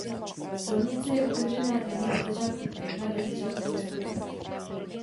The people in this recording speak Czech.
Silnice je otevřená denně od začátku května do začátku listopadu.